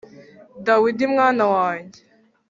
Dawidi mwana wanjye